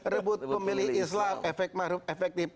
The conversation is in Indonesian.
rebut pemilih islam efek maruf efektif